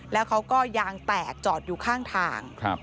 แล้วเขาก็ยางแตกจอดอยู่ข้างทาง